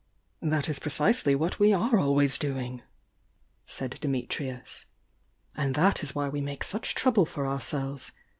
"That is precisely what we are always doing!" said Dimitrius. "And that is why we make such trouble for ourselves.